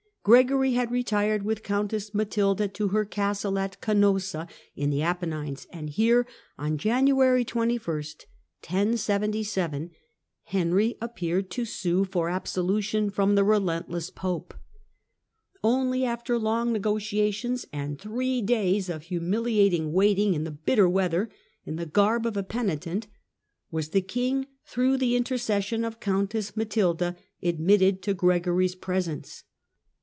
Gregory had retired with Countess Matilda to her castle of Canossa, in the Canossa, Apennines, and here, on January 21, 1077, Henry 1077 ' appeared to sue for absolution from the relentless Pope. Only after long negotiation and three days of humiliating waiting, in the bitter weather, in the garb of a penitent, was the King, through the intercession of Countess Matilda, admitted to Gregory's presence.